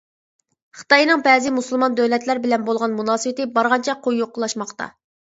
خىتاينىڭ بەزى مۇسۇلمان دۆلەتلەر بىلەن بولغان مۇناسىۋىتى بارغانچە قويۇقلاشماقتا.